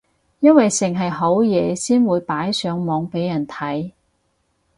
因為剩係好嘢先會擺上網俾人睇